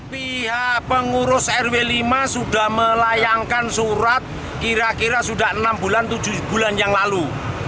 pihak pengurus rw lima sudah melayangkan surat kira kira sudah enam bulan tujuh bulan yang lalu